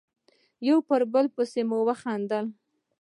یو پر بل پسې مو خندل.